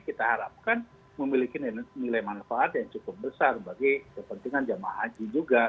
kita harapkan memiliki nilai manfaat yang cukup besar bagi kepentingan jemaah haji juga